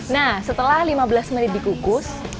nah setelah lima belas menit dikukus